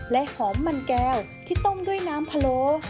และหอมมันแก้วที่ต้มด้วยน้ำพะโล